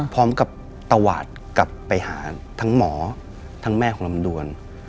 พร้อมกับตวาดกลับไปหาทั้งหมอทั้งแม่ของลำดวน